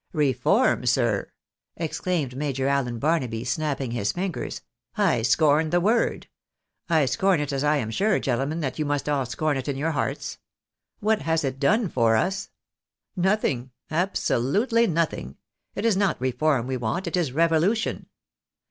" Reform ! sir," exclaimed Major Allen Barnaby, snapping his fingers ;" I scorn the word. I scorn it as I am sure, gentlemen, that you must all scorn it in your hearts. What has it done for us? Nothing, absolutely nothing. It is not reform we want, ic is revolution.